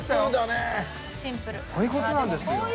シンプルこういうことなんですよ